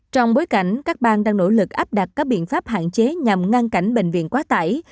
trong bối cảnh các bang đang nỗ lực áp đặt các biện pháp hạn chế nhằm ngăn cản bệnh viện quá tải